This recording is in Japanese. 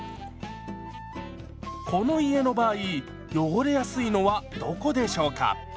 この家の場合汚れやすいのはどこでしょうか？